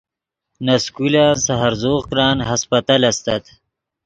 نے سکولن سے ہرزوغ کرن ہسپتل استت